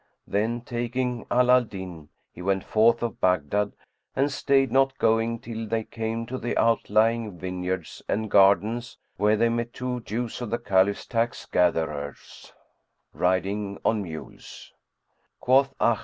Then, taking Ala al Din, he went forth of Baghdad and stayed not going till they came to the outlying vineyards and gardens, where they met two Jews of the Caliph's tax gatherers, riding on mules.